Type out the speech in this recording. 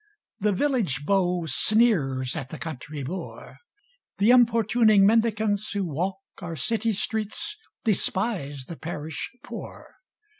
The village beau sneers at the country boor; The importuning mendicants who walk Our cities' streets despise the parish poor.